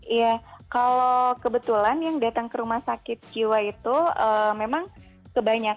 iya kalau kebetulan yang datang ke rumah sakit jiwa itu memang kebanyakan